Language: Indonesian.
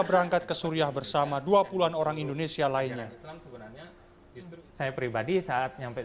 berangkat ke suria bersama dua puluh an orang indonesia lainnya saya pribadi saat nyampe